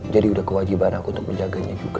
jadi udah kewajiban aku untuk menjaganya juga